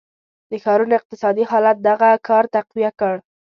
د ښارونو اقتصادي حالت دغه کار تقویه کړ.